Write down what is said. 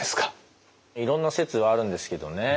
いろんな説はあるんですけどね。